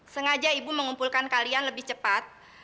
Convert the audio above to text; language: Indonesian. sengaja ibu mengumpulkan kalian lebih cepat